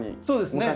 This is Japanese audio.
そうです。